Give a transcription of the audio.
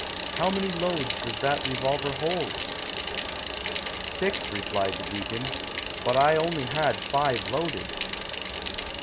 "How many loads does that revolver hold ?"" Six," replied the deacon, " but I only had five loaded."